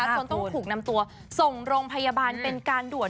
จนต้องถูกนำตัวส่งโรงพยาบาลเป็นการด่วน